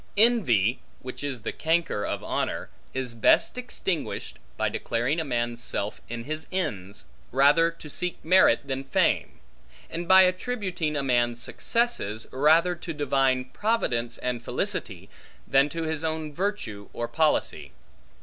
Envy, which is the canker of honor, is best extinguished by declaring a man's self in his ends, rather to seek merit than fame; and by attributing a man's successes, rather to divine Providence and felicity, than to his own virtue or policy.